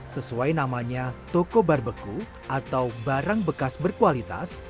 sesuai namanya toko barbeku atau barang bekas berkualitas